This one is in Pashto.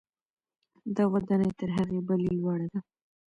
دا ودانۍ تر هغې بلې لوړه ده.